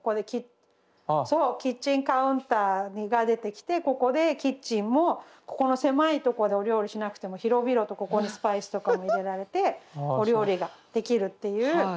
そうキッチンカウンターが出てきてここでキッチンもここの狭いとこでお料理しなくても広々とここにスパイスとかも入れられてお料理ができるっていう。